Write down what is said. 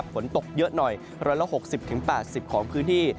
ฝนตกเยอะหน่อย๑๖๐๘๐ของพื้นที่